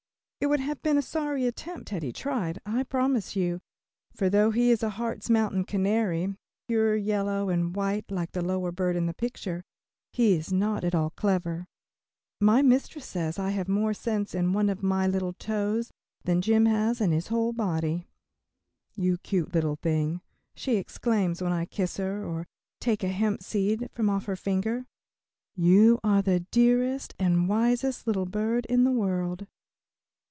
It would have been a sorry attempt had he tried, I promise you, for though he is a Hartz Mountain Canary pure yellow and white like the lower bird in the picture he is not at all clever. My mistress says I have more sense in one of my little toes than Jim has in his whole body. "You cute little thing," she exclaims when I kiss her, or take a hemp seed from off her finger, "you are the dearest and wisest little bird in the world."